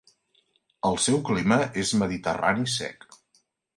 El seu clima és mediterrani sec.